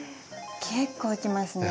結構いきますね。